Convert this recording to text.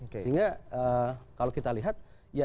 sehingga kalau kita lihat